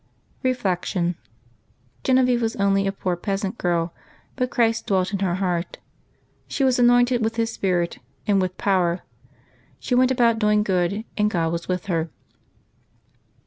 Reflection. — Genevieve was only a poor peasant girl, but Christ dwelt in her heart. She was anointed with His Spirit, and with power; she went about doing good, and God was with her.